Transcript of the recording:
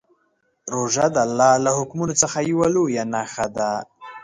روژه د الله له حکمونو څخه یوه لویه نښه ده.